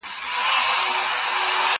نه پر دستار یې نه پر ځیګر یې.!